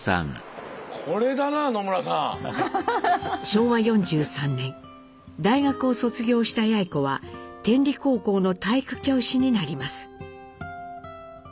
昭和４３年大学を卒業した八詠子は天理高校の体育教師になります。